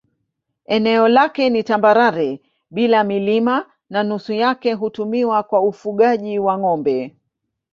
Eneo lake ni tambarare bila milima na nusu yake hutumiwa kwa ufugaji wa ng'ombe.